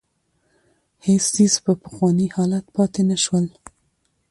هېڅ څېز په پخواني حالت پاتې نه شول.